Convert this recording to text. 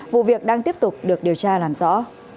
vụ việc đang tiếp tục được điều tra làm rõ